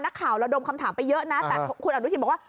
นักข่าวระดมคำถามไปเยอะนะแต่คุณอนุทินบอกว่า